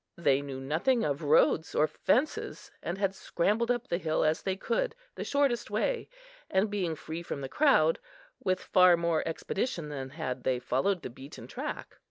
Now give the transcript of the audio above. They knew nothing of roads or fences, and had scrambled up the hill as they could, the shortest way, and, being free from the crowd, with far more expedition than had they followed the beaten track.